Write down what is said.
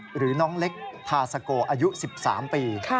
หรือน้องเล็กทาซาโกอายุ๑๓ปี